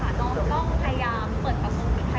เขาก็ต้องรีดลงจนกี่สุดไหมคะ